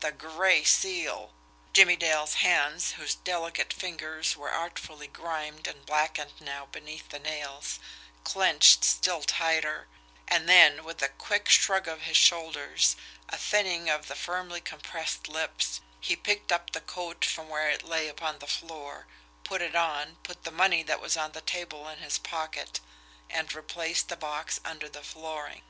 The Gray Seal! Jimmie Dale's hands, whose delicate fingers were artfully grimed and blackened now beneath the nails, clenched still tighter and then, with a quick shrug of his shoulders, a thinning of the firmly compressed lips, he picked up the coat from where it lay upon the floor, put it on, put the money that was on the table in his pocket, and replaced the box under the flooring.